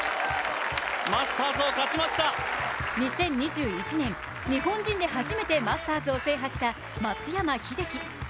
２０２１年、日本人で初めてマスターズを制覇した松山英樹。